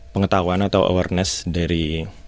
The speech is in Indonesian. pengetahuan atau awareness dari